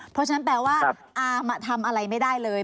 เพราะฉะนั้นแปลว่าอามาทำอะไรไม่ได้เลย